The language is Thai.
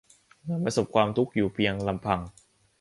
เหมือนประสบความทุกข์อยู่เพียงลำพัง